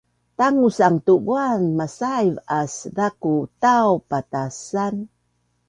Tangusang tu buan masaiv aas zaku tau patasan